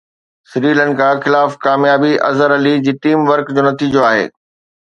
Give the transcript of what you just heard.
سريلنڪا خلاف ڪاميابي اظهر علي جي ٽيم ورڪ جو نتيجو آهي